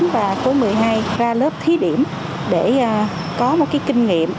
chín và tối một mươi hai ra lớp thí điểm để có một kinh nghiệm